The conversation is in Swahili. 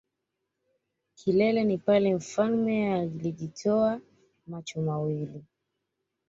kilele ni pale mfalme alijotoa macho mawili.